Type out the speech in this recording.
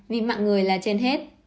vì mạng người là trên hết